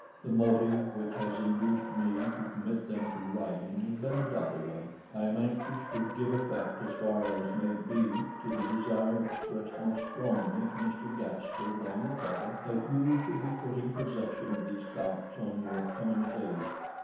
The motive which has induced me to commit them to writing has been a double one. I am anxious to give effect as far as may be to the desire expressed most strongly to Mr. Gaskell by your father, that you should be put in possession of these facts on your coming of age.